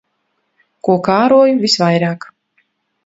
Ko kāroju visvairāk.